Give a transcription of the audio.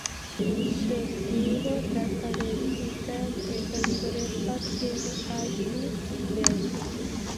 ჩრდილო-დასავლეთიდან ესაზღვრება ფერღანის ველს.